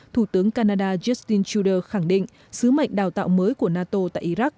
thủ tướng canada justin trudeau khẳng định sứ mệnh đào tạo mới của nato tại iraq